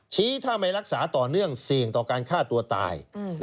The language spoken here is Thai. ถ้าไม่รักษาต่อเนื่องเสี่ยงต่อการฆ่าตัวตาย